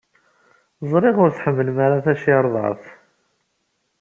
Ẓriɣ ur tḥemmlem ara tacirḍart.